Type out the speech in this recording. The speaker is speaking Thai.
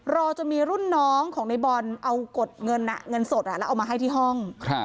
รอจนมีรุ่นน้องของในบอลเอากดเงินสดแล้วเอามาให้ที่ห้อง